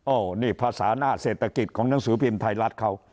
นี่ภาษาหน้าเศรษฐกิจของหนังสือพิมพ์ไทยรัฐเขา